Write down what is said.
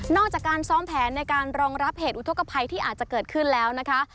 จากการซ้อมแผนในการรองรับเหตุอุทธกภัยที่อาจจะเกิดขึ้นแล้วนะคะ